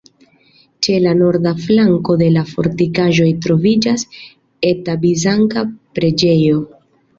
Ĉe la norda flanko de la fortikaĵo troviĝas eta bizanca preĝejo.